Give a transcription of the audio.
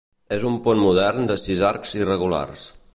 És un pont modern de sis arcs irregulars.